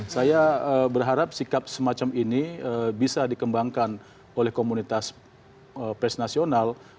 saya berharap sikap semacam ini bisa dikembangkan oleh komunitas pes nasional